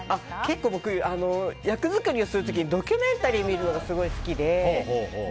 結構僕、役作りをする時にドキュメンタリー見るのがすごい好きで。